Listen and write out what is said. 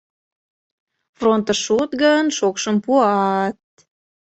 Фронтыш шуыт гын, шокшым пуат...